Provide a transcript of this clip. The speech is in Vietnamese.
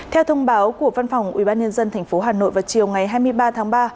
theo thông báo của văn phòng ubnd tp hà nội vào chiều ngày hai mươi ba tháng ba